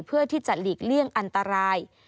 เพื่อที่จะหลีกเลี่ยงอันตราย